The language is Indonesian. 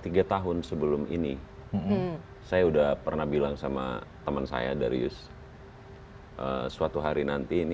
tiga tahun sebelum ini saya udah pernah bilang sama teman saya dari us suatu hari nanti ini